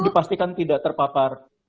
dipastikan tidak terpapar